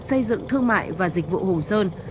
xây dựng thương mại và dịch vụ hùng sơn